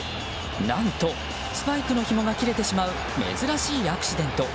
何と、スパイクのひもが切れてしまう珍しいアクシデント。